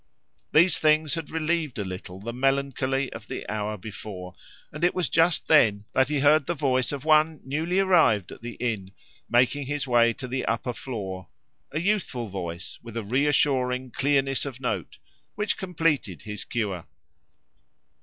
These things had relieved a little the melancholy of the hour before; and it was just then that he heard the voice of one, newly arrived at the inn, making his way to the upper floor—a youthful voice, with a reassuring clearness of note, which completed his cure.